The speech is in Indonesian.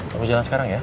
kamu jalan sekarang ya